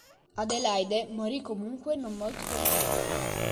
Adelaide morì comunque non molto tempo dopo.